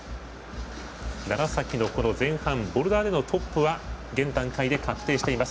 楢崎のボルダーでのトップは現段階で確定しています。